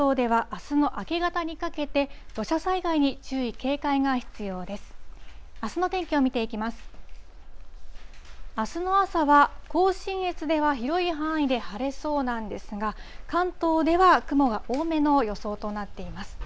あすの朝は、甲信越では広い範囲で晴れそうなんですが、関東では雲が多めの予想となっています。